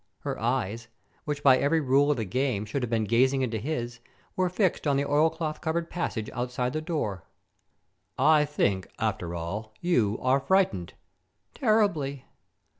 Her eyes, which by every rule of the game should have been gazing into his, were fixed on the oilcloth covered passage outside the door. "I think, after all, you are frightened!" "Terribly."